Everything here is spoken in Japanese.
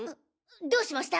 どうしました？